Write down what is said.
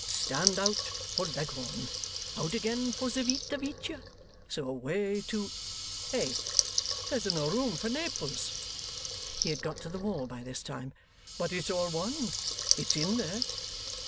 Stand out for Leghorn. Out again for Civita Vecchia, so away to hey! there's no room for Naples;' he had got to the wall by this time; 'but it's all one; it's in there!